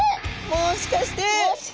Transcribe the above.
もしかして。